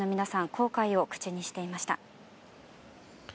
後悔を口にしていました。